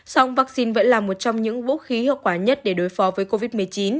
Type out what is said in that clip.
song vaccine vẫn là một trong những vũ khí hiệu quả nhất để đối phó với covid một mươi chín